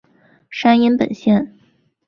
山阴本线。